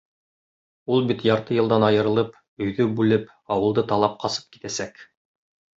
Ул бит ярты йылдан айырылып, өйҙө бүлеп, ауылды талап ҡасып китәсәк.